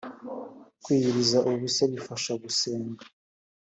kwiyiriza ubusa bifashagusenga.